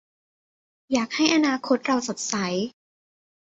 อยากให้อนาคตเราสดใส